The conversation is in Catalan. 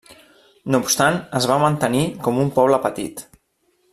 No obstant es va mantenir com un poble petit.